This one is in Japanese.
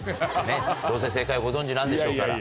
ねっどうせ正解をご存じなんでしょうから。